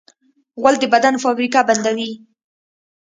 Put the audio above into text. غول د بدن فابریکه بندوي.